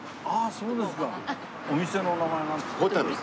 そうですか。